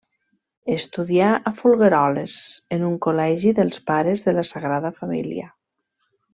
Estudià a Folgueroles en un col·legi dels Pares de la Sagrada Família.